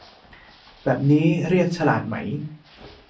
แบบนี้เรียกฉลาดไหม